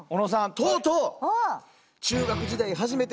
とうとう。